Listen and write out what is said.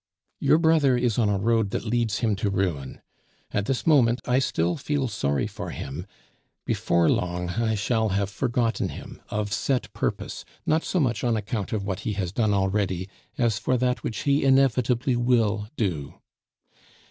Your brother is on a road that leads him to ruin. At this moment I still feel sorry for him; before long I shall have forgotten him, of set purpose, not so much on account of what he has done already as for that which he inevitably will do.